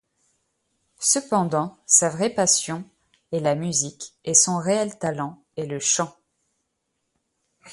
Cependant, sa vraie passion est la musique et son réel talent est le chant.